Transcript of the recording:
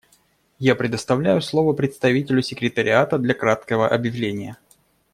Я предоставляю слово представителю Секретариата для краткого объявления.